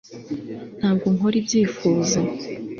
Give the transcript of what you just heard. ntabwo nkora ibyifuzo